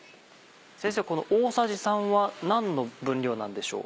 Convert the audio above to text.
先生この大さじ３は何の分量なんでしょう？